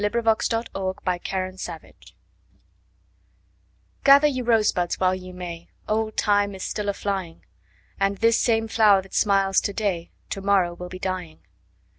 To the Virgins, to make much of Time GATHER ye rosebuds while ye may, Old Time is still a flying: And this same flower that smiles to day To morrow will be dying.